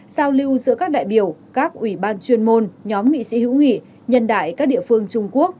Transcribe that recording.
giao lưu giữa các đại biểu các ủy ban chuyên môn nhóm nghị sĩ hữu nghị nhân đại các địa phương trung quốc